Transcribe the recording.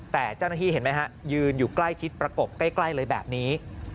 แต่เจ้าหน้าที่เห็นไหมฮะยืนอยู่ใกล้ชิดประกบใกล้เลยแบบนี้